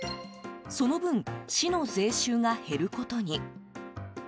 その分、市の税収が減ることに。